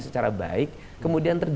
secara baik kemudian